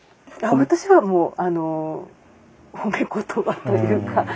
私はもう褒め言葉というか。